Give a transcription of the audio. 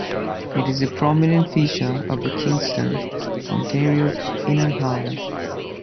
It is a prominent feature of the Kingston, Ontario Inner Harbour.